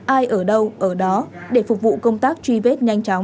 ai ở đâu ở đó để phục vụ công tác truy vết nhanh chóng